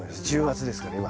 １０月ですから今。